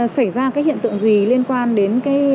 xảy ra hiện tượng gì liên quan đến